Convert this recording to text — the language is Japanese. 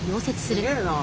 すげえな。